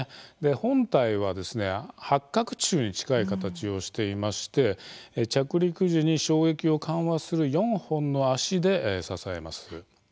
本体は八角柱に近い形をしていまして着陸時に衝撃を緩和する４本の脚で支えます。